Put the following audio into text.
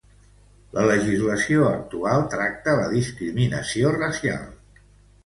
La legislació actual tracta la discriminació racial.